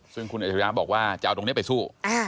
ซึ่งคุณอัจฉริยะบอกว่าจะเอาตรงนี้ไปสู้